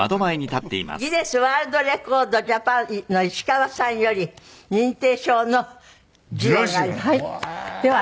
ギネスワールドレコーズジャパンの石川さんより認定証の授与があります。